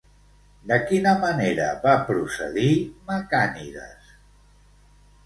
De quina manera va procedir Macànides?